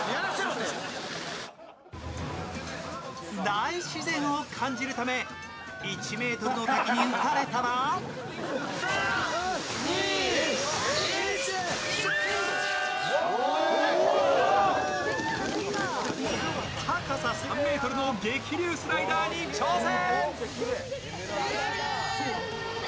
大自然を感じるため、１ｍの滝に打たれたら高さ３ｍの激流スライダーに挑戦。